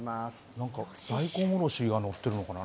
なんか、大根おろしが載ってるのかな。